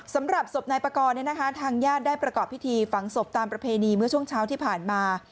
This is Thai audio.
สำหรับศพนายประกอบทางญาติได้ประกอบพิธีฝังศพตามประเพณีเมื่อช่วงเช้าที่ผ่านมา